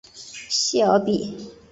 谢尔比。